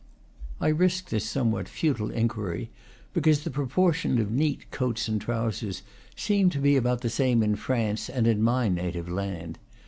I risk this somewhat futile inquiry because the proportion of mens ??? coats and trousers seemed to be about the same in France and in my native land.